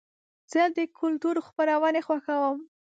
زه د کلتور خپرونې خوښوم.